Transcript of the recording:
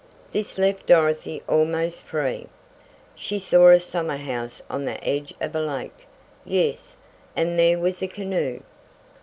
This left Dorothy almost free. She saw a summer house on the edge of a lake. Yes, and there was a canoe!